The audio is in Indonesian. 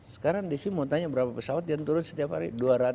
sekarang desi mau tanya berapa pesawat yang turun setiap hari